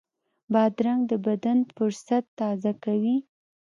بادرنګ د بدن فُرصت تازه کوي.